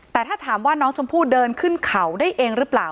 แต่ถ้าถามว่าน้องชมพู่เดินขึ้นเขาได้เองหรือเปล่า